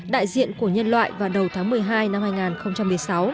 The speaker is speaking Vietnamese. đại diện của nhân loại vào đầu tháng một mươi hai năm hai nghìn một mươi sáu